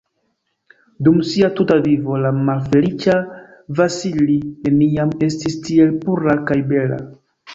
Dum sia tuta vivo, la malfeliĉa Vasili neniam estis tiel pura kaj bela.